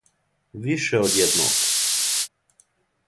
Више од једног?